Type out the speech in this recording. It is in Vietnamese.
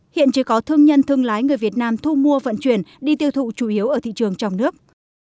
hiện chỉ có thương nhân thương lái người việt nam thu mua vận chuyển đi tiêu thụ chủ yếu ở thị trường trong nước